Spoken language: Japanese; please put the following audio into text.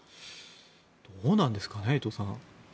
どうなんですかね伊藤さん。